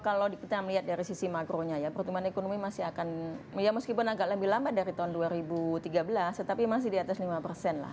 kalau kita melihat dari sisi makronya ya pertumbuhan ekonomi masih akan ya meskipun agak lebih lambat dari tahun dua ribu tiga belas tetapi masih di atas lima persen lah